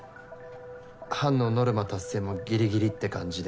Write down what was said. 班のノルマ達成もぎりぎりって感じで。